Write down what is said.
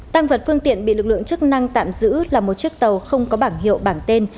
tăng vật phương tiện bị lực lượng chức năng tạm giữ là một chiếc tàu không có bảng hiệu bảng tên